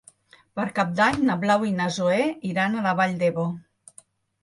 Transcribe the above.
Per Cap d'Any na Blau i na Zoè iran a la Vall d'Ebo.